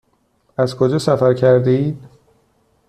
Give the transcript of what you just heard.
از کجا سفر کرده اید؟